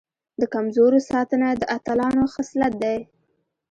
د کمزورو ساتنه د اتلانو خصلت دی.